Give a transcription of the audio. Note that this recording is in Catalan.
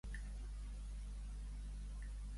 Han enviat un bomber a Truro per demanar ajuda.